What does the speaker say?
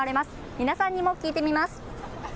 皆さんにも聞いてみます。